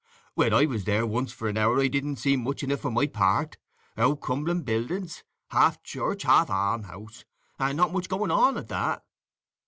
"When I was there once for an hour I didn't see much in it for my part; auld crumbling buildings, half church, half almshouse, and not much going on at that."